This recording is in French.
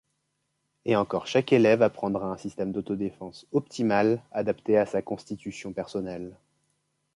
Et encore chaque élève apprendra un système d'auto-défense optimale adapté à sa constitution personnelle.